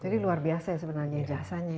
jadi luar biasa sebenarnya jasanya ya